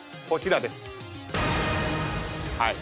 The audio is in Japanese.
こちらです。